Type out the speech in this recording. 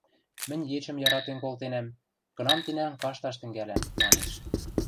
Мӹнь ечӹм яратен колтенӓм, кынам-тинӓм кашташ тӹнгӓлӓм, — манеш.